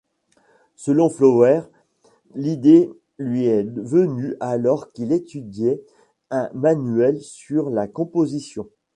Selon Flowers, l'idée lui est venu alors qu'il étudiait un manuel sur la composition.